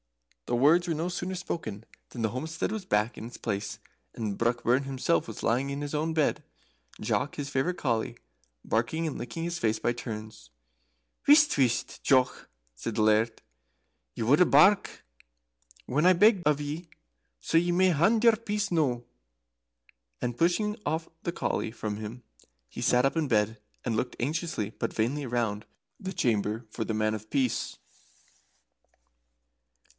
The words were no sooner spoken than the homestead was back in its place, and Brockburn himself was lying in his own bed, Jock, his favourite collie, barking and licking his face by turns for joy. "Whisht, whisht, Jock!" said the Laird. "Ye wouldna bark when I begged of ye, so ye may hand your peace noo." And pushing the collie from him, he sat up in bed and looked anxiously but vainly round the chamber for the Man of Peace.